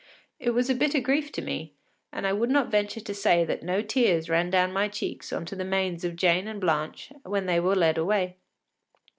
It was a bitter grief to me, and I would not venture to say that no tears ran down my cheeks on to the manes of Jane and Blanche when they were led away.